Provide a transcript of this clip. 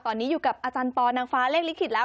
ตอนนี้อยู่กับอาจารย์ปอนางฟ้าเลขลิขิตแล้ว